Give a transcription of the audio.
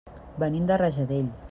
Venim de Rajadell.